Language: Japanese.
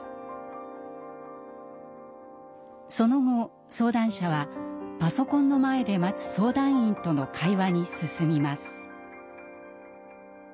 その後相談者はパソコンの前で待つ相談員との会話に進みます。